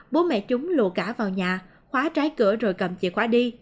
bố mẹ chúng lụa cả vào nhà khóa trái cửa rồi cầm chìa khóa đi